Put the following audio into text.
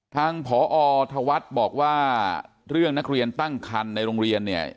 ทางผอธวัฒน์บอกว่าเรื่องนักเรียนตั้งคันในโรงเรียนเนี่ย